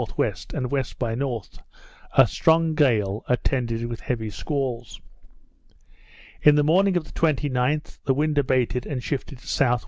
W. and W. by N. a strong gale, attended with heavy squalls. In the morning of the 29th, the wind abated and shifted to S.W.